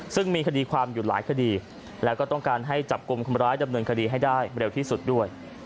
ซึ่งมีคดีความอยู่หลายคดีแล้วก็ต้องการให้จับกลุ่มคนร้ายดำเนินคดีให้ได้เร็วที่สุดด้วย